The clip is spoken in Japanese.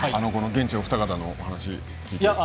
現地のお二方のお話を聞いて。